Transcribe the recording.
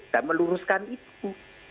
dan meluruskan itu